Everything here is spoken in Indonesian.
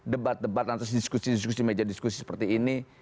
debat debat nanti diskusi diskusi meja diskusi seperti ini